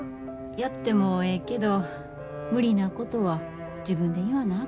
やってもええけど無理なことは自分で言わなあかんよ。